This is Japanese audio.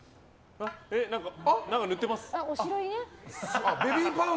何か塗ってます。